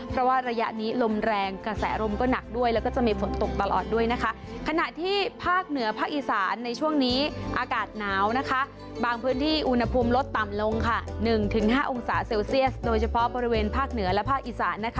เพราะว่าระยะนี้ลมแรงเกษ